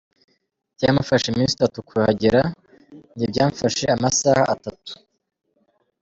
Byamufashe iminsi itatu kuhagera; njye byamfashe amasaha atatu.